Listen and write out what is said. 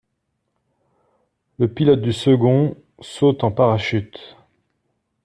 Le pilote du second saute en parachute.